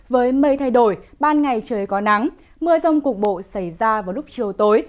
với mây thay đổi ban ngày trời có nắng mưa rông cục bộ xảy ra vào lúc chiều tối